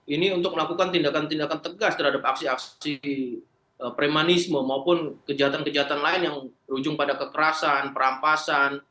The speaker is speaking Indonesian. ini untuk melakukan tindakan tindakan tegas terhadap aksi aksi premanisme maupun kejahatan kejahatan lain yang berujung pada kekerasan perampasan